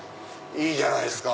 いいじゃないですか。